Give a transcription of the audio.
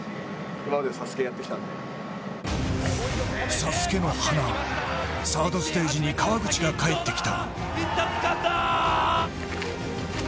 ＳＡＳＵＫＥの華、サードステージに川口が帰ってきた。